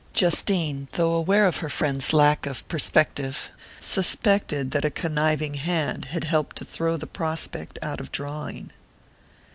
Justine, though aware of her friend's lack of perspective, suspected that a conniving hand had helped to throw the prospect out of drawing....